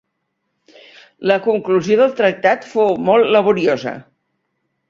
La conclusió del tractat fou molt laboriosa.